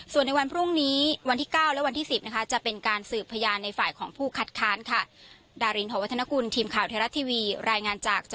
ส่วนในวันพรุ่งนี้วันที่๙และวันที่๑๐นะคะจะเป็นการสืบพยานในฝ่ายของผู้คัดค้านค่ะ